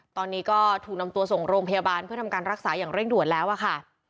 ตอนนี้ก็ถูกนำตัวส่งโรงพยาบาลเพื่อทำการรักษาอย่างเร่งด่วนแล้วอะค่ะ